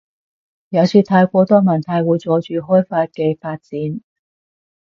有時太過多問題會阻住開法嘅發展